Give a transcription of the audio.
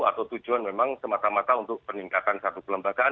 atau tujuan memang semata mata untuk peningkatan satu kelembagaan